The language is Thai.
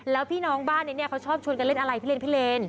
แล้วพี่น้องบ้านเนี่ยเนี่ยเค้าชอบชวนกันเล่นอะไรพี่เรน